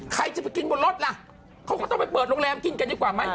ใครจะไปกินบนรถล่ะเขาก็ต้องไปเปิดโรงแรมกินกันดีกว่าไหม